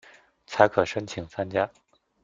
才可申请参加